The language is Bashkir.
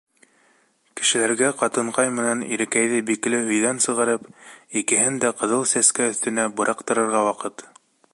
Кешеләргә ҡатынҡай менән ирекәйҙе бикле өйҙән сығарып, икеһен дә Ҡыҙыл Сәскә өҫтөнә быраҡтырырға ваҡыт.